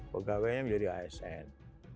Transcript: pegawainya menjadi asn